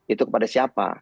itu kepada siapa